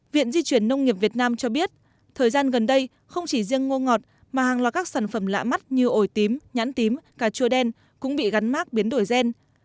viện di chuyển nông nghiệp việt nam cho biết thời gian gần đây không chỉ riêng ngô ngọt mà hàng loạt các sản phẩm lạ mắt như ổi tím nhãn tím cà chua đen cũng bị gắn mát biến đổi gen